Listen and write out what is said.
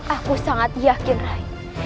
aku sangat yakin rai